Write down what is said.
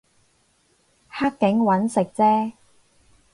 黑警搵食啫